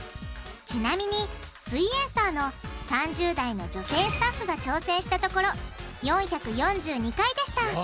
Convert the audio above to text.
ちなみに「すイエんサー」の３０代の女性スタッフが挑戦したところ４４２回でした！